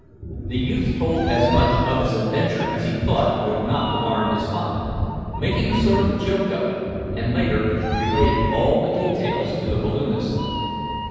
The youth told as much of his adventure as he thought would not alarm his father, making a sort of joke of it, and, later, related all the details to the balloonist.